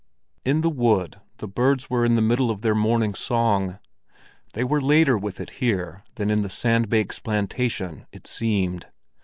In the wood the birds were in the middle of their morning song; they were later with it here than in the sandbanks plantation, it seemed.